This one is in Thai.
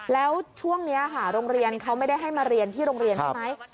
แล้วช่วงนี้ค่ะโรงเรียนเขาไม่ได้ให้มาเรียนที่โรงเรียนใช่ไหม